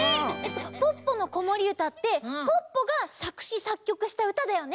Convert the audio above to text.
「ポッポのこもりうた」ってポッポがさくしさっきょくしたうただよね？